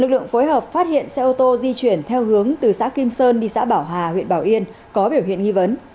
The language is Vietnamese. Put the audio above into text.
lực lượng phối hợp phát hiện xe ô tô di chuyển theo hướng từ xã kim sơn đi xã bảo hà huyện bảo yên có biểu hiện nghi vấn